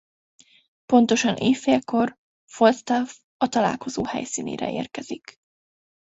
Pontosan éjfélkor Falstaff a találkozó helyszínére érkezik.